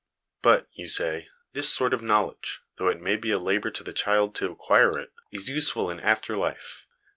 But, you say, this sort of knowledge, though it may be a labour to the child to acquire it, is useful in after life.